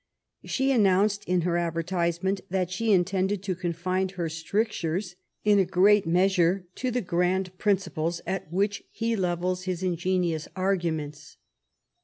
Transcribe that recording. She announced in her Advertisement that she intended to confine her strictures, in a great measure, to the grand principles at which he levels his iugenious arguments.